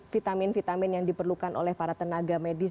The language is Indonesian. vitamin vitamin yang diperlukan oleh para tenaga medis